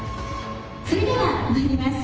それではまいります。